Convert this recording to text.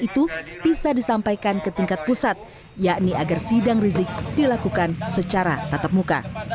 itu bisa disampaikan ke tingkat pusat yakni agar sidang rizik dilakukan secara tatap muka